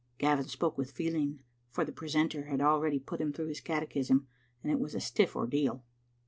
" Gavin spoke with feeling, for the precentor had already put him through his catechism, and it was a stiff ordeal.